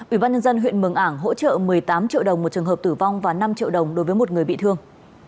ủy ban nhân dân huyện mường ảng hỗ trợ một mươi tám triệu đồng một trường hợp tử vong và năm triệu đồng đối với một người bị thương